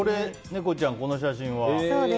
猫ちゃんの写真。